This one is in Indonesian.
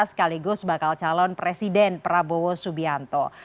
sekaligus bakal calon presiden prabowo subianto